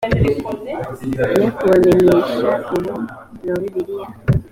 ye kubamenyesha ubu nobibiliya